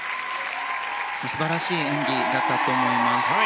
素晴らしい演技だったと思います。